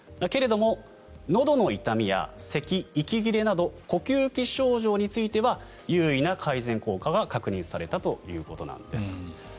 けれどものどの痛みやせき、息切れなど呼吸器症状については有意な改善効果が確認されたということなんです。